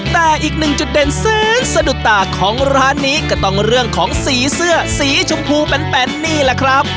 แต่อีกหนึ่งจุดเด่นซื้นสะดุดตาของร้านนี้ก็ต้องเรื่องของสีเสื้อสีชมพูแปนนี่แหละครับ